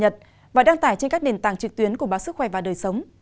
liên tục cập nhật và đăng tải trên các nền tảng trực tuyến của báo sức khỏe vào đời sống